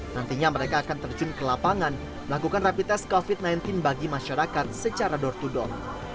nantinya mereka akan terjun ke lapangan melakukan rapid test covid sembilan belas bagi masyarakat secara door to door